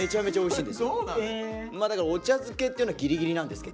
まあだからお茶漬けっていうのギリギリなんですけど。